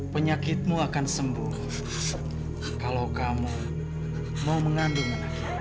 penyakitmu akan sembuh kalau kamu mau mengandung